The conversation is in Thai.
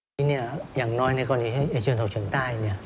ทีนี้อย่างน้อยในกรณีเชิงเฉียงใต้